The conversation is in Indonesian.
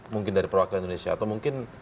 mungkin dari perwakilan indonesia atau mungkin